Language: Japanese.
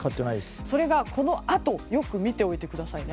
それがこのあとよく見ておいてくださいね。